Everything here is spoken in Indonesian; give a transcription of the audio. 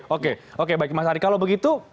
oke oke baik mas ari kalau begitu